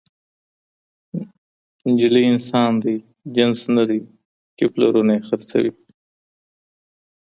نجلۍ انسان دی، جنس ندی، چي پلرونه ئې خرڅوي